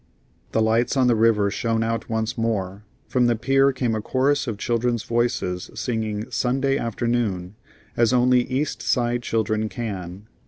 The lights on the river shone out once more. From the pier came a chorus of children's voices singing "Sunday Afternoon" as only East Side children can.